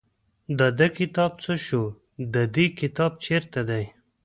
د ده کتاب څه شو د دې کتاب چېرته دی.